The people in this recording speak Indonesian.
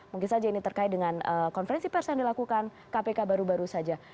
mungkin saja ini terkait dengan konferensi pers yang dilakukan kpk baru baru saja